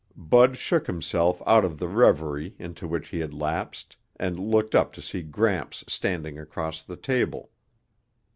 Bud shook himself out of the reverie into which he had lapsed and looked up to see Gramps standing across the table.